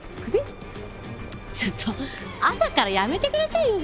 ちょっと朝からやめてくださいよ